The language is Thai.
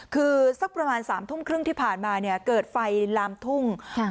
คือสักประมาณสามทุ่มครึ่งที่ผ่านมาเนี่ยเกิดไฟลามทุ่ง